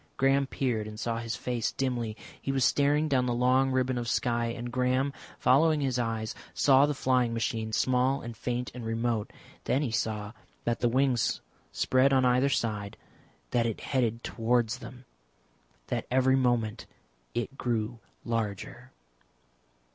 Graham peered and saw his face dimly. He was staring down the long ribbon of sky, and Graham, following his eyes, saw the flying machine small and faint and remote. Then he saw that the wings spread on either side, that it headed towards them, that every moment it grew larger.